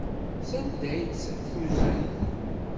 Sanda ay tt-tuzen?